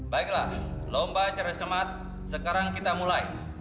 baiklah lomba cerdas cemat sekarang kita mulai